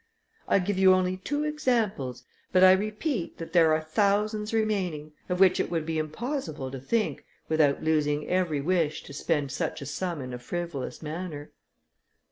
I give you only two examples, but I repeat, that there are thousands remaining, of which it would be impossible to think, without losing every wish to spend such a sum in a frivolous manner."